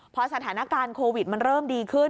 พอสถานการณ์โควิดมันเริ่มดีขึ้น